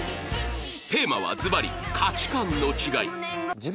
テーマはずばり価値観の違い